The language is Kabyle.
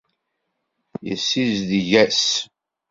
Yessizdig-as.